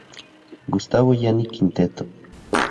Gustavo Giannini Quinteto